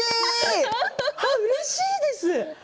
うれしいです。